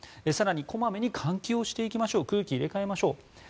更に小まめに換気をしていきましょう空気を入れ替えましょう。